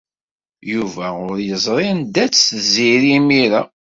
Yuba ur yeẓri anda-tt Tiziri imir-a.